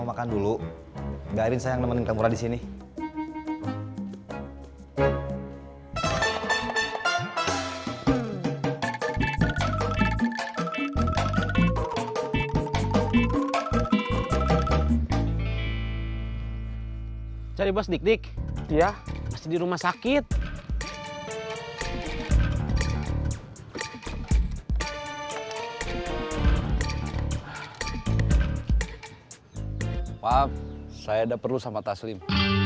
maaf saya ada perlu sama taslim